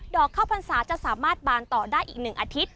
อกข้าวพรรษาจะสามารถบานต่อได้อีก๑อาทิตย์